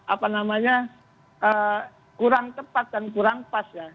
apa namanya kurang tepat dan kurang pas ya